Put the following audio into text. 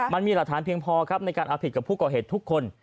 มันมีหลักฐานเพียงพอครับในการเอาผิดกับผู้ก่อเหตุทุกคน